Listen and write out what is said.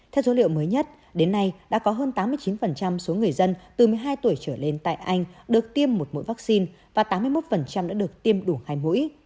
theo số liệu mới nhất đến nay đã có hơn tám mươi chín số người dân từ một mươi hai tuổi trở lên tại anh được tiêm một mũi vaccine và tám mươi một đã được tiêm đủ hai mũi